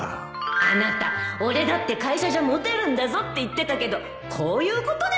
あなた俺だって会社じゃモテるんだぞって言ってたけどこういうことでモテてるのね